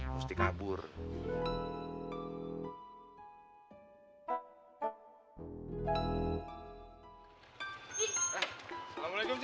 mustika apaan tuh